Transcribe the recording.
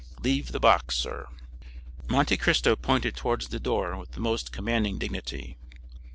Leave the box, sir!" Monte Cristo pointed towards the door with the most commanding dignity.